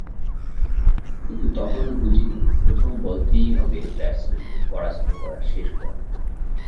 কিন্তু তখনো বুঝিনি প্রথম বলটিই হবে ব্যাটসম্যানকে পরাস্ত করা শেষ বল।